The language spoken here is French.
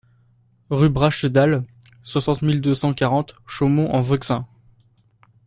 Rue Brachedal, soixante mille deux cent quarante Chaumont-en-Vexin